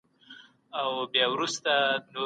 هغوی به زغم زده کړی وي.